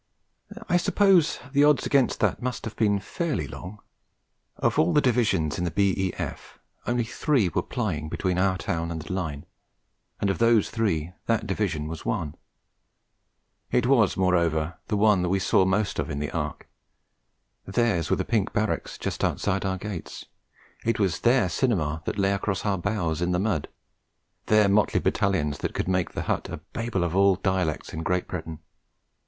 I suppose the odds against that must have been fairly long. Of all the Divisions in the B.E.F. only three were plying between our town and the Line; and of those three that Division was one. It was, moreover, the one that we saw most of in the Ark. Theirs were the pink barracks just outside our gates; it was their cinema that lay across our bows in the mud; their motley Battalions that could make the hut a Babel of all the dialects in Great Britain.